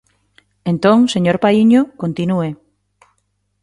Entón, señor Paíño, continúe.